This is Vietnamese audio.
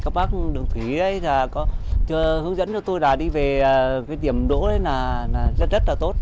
các bác đường thủy đã hướng dẫn cho tôi là đi về cái điểm đỗ đấy là rất rất là tốt